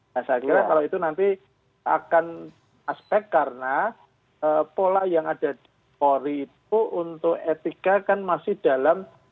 nah saya kira kalau itu nanti akan aspek karena pola yang ada di polri itu untuk etika kan masih dalam